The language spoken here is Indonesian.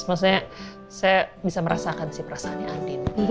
maksudnya saya bisa merasakan sih perasaannya andin